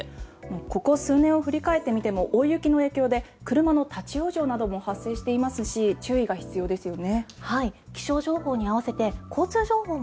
ここ数年を振り返ってみても大雪の影響で車の立ち往生なども発生していますし注意が必要ですね。